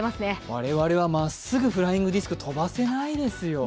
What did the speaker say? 我々はまっすぐフライングディスク飛ばせないですよ。